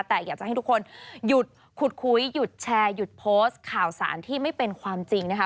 แต่อยากจะให้ทุกคนหยุดขุดคุยหยุดแชร์หยุดโพสต์ข่าวสารที่ไม่เป็นความจริงนะคะ